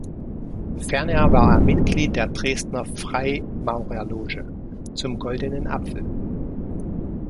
Ferner war er Mitglied der Dresdner Freimaurerloge „Zum goldenen Apfel“.